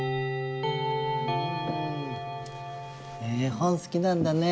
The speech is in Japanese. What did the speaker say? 本すきなんだね。